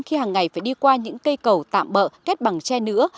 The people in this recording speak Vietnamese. khi hàng ngày phải đi qua những cây cầu tạm bỡ kết bằng tre nữa